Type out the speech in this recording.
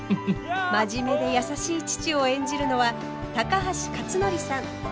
真面目で優しい父を演じるのは高橋克典さん。